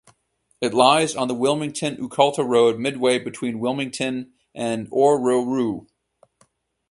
It lies on the Wilmington–Ucolta Road midway between Wilmington and Orroroo.